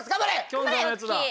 きょんさんのやつだ。